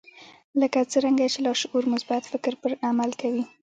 لکه څرنګه چې لاشعور مثبت فکر پر عمل بدلوي